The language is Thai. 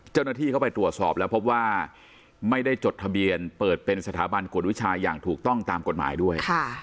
เจ้าหน้าที่เข้าไปตรวจสอบแล้วพบว่าไม่ได้จดทะเบียนเปิดเป็นสถาบันกวดวิชาอย่างถูกต้องตามกฎหมายด้วย